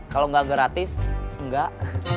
kalau gak gratis enggak